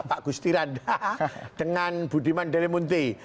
pak gusti randa dengan budiman delimunti